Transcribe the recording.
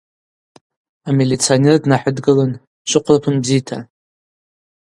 Амилиционер днахӏыдгылын: – Швыхъвлапын бзита.